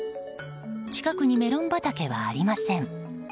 近くにメロン畑はありません。